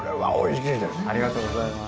ありがとうございます。